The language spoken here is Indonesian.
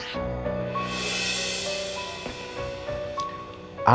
lebih dengan al